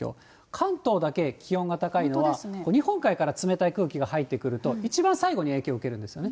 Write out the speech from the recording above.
関東だけ気温が高いのは、日本海から冷たい空気が入ってくると、一番最後に影響を受けるんですよね。